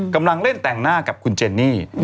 กำลังเล่นแต่งหน้ากับคุณเจนนี่